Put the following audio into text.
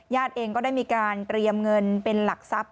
เองก็ได้มีการเตรียมเงินเป็นหลักทรัพย